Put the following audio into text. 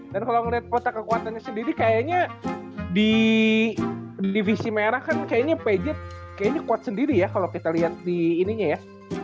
dan kalo ngeliat pota kekuatannya sendiri kayaknya di divisi merah kan kayaknya pz kayaknya kuat sendiri ya kalo kita liat di ininya ya